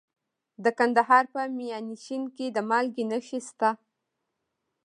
د کندهار په میانشین کې د مالګې نښې شته.